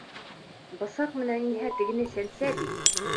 Бысаҡ менән инһә, тегене сәнсә бит!